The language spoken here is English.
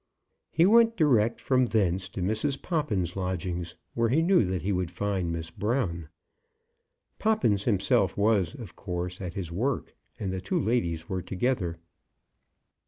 He went direct from thence to Mrs. Poppins' lodgings, where he knew that he would find Miss Brown. Poppins himself was, of course, at his work, and the two ladies were together.